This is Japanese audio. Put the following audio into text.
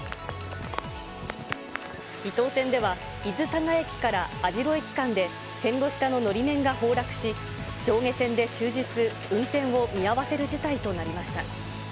伊東線では、伊豆多賀駅から網代駅間で線路下ののり面が崩落し、上下線で終日運転を見合わせる事態となりました。